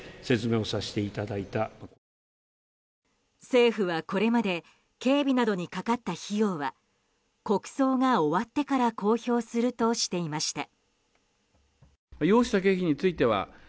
政府はこれまで警備などにかかった費用は国葬が終わってから公表するとしていました。